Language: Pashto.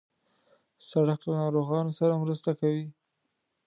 سړک له ناروغانو سره مرسته کوي.